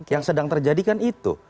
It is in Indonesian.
yang sedang terjadikan itu